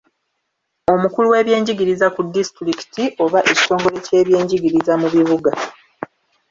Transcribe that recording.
Omukulu w'eby'enjigiriza ku disitulikiti oba ekitongole ky'eby'enjigiriza mu bibuga.